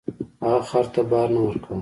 هغه خر ته بار نه ورکاوه.